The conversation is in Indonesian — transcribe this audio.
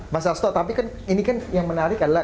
mas asto tapi kan ini kan yang menarik adalah